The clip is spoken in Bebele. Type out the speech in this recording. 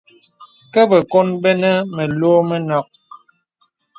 Kə bəkòn bənə məlɔ̄ mənɔ̄k.